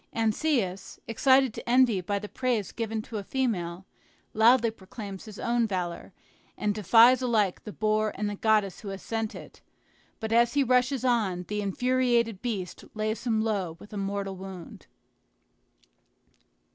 Anceus, excited to envy by the praise given to a female, loudly proclaims his own valor, and defies alike the boar and the goddess who had sent it; but as he rushes on, the infuriated beast lays him low with a mortal wound.